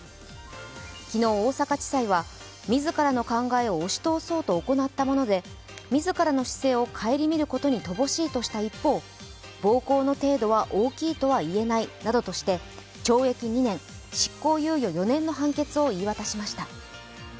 昨日、大阪地裁は自らの考えを押し通そうと行ったもので自らの姿勢を省みることに乏しいとした一方暴行の程度は大きいとはいえないなどとして、懲役２年、執行猶予４年の判決を言い渡しました。